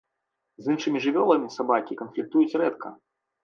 З іншымі жывёламі сабакі канфліктуюць рэдка.